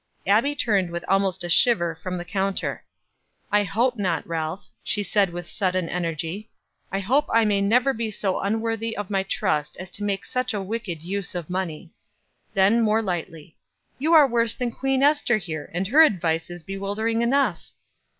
Abbie turned with almost a shiver from the counter. "I hope not, Ralph," she said with sudden energy. "I hope I may never be so unworthy of my trust as to make such a wicked use of money." Then more lightly, "You are worse than Queen Ester here, and her advice is bewildering enough."